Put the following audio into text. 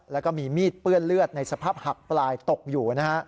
และมีมีดเปลื้อนเลือดในสภาพหับปลายตกอยู่